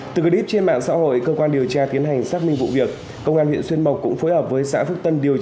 từ clip trên mạng xã hội cơ quan điều tra tiến hành xác minh vụ việc